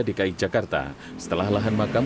dki jakarta setelah lahan makam